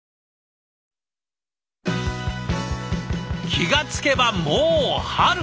気が付けばもう春！